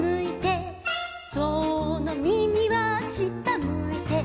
「ぞうのみみは下むいて」